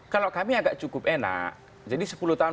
kalau kami agak cukup enak jadi sepuluh tahun